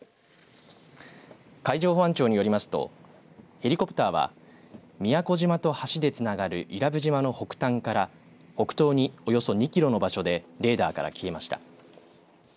海上保安庁によりますとヘリコプターは宮古島と橋でつながる伊良部島の北端から北東におよそ２キロの場所でレーダーから消えました。